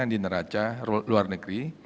di neraca luar negeri